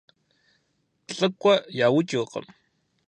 ЛӀыкӀуэ яукӀыркъым.